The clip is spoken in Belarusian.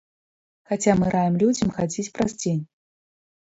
Хаця мы раім людзям хадзіць праз дзень.